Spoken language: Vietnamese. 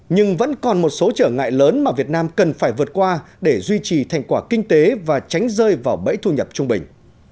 nhưng vẫn còn một số trở ngại lớn mà việt nam cần phải vượt qua để duy trì thành quả kinh tế và tránh rơi vào bẫy thu nhập trung bình